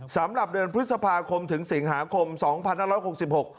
สำหรับเดือนพฤษภาคมถึงสิงหาคมสองพันห้าร้อยหกสิบหก